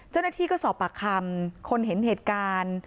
เจ้าหน้าที่ก็สอบปากคำคนเห็นเหตุการณ์